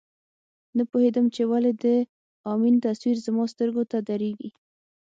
نه پوهېدم ولې د امین تصویر زما سترګو ته درېږي.